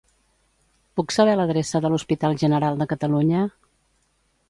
Puc saber l'adreça de l'Hospital General de Catalunya?